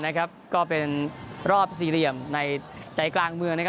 และก็เป็นรอบสี่เหลี่ยมในใจกรางเมือง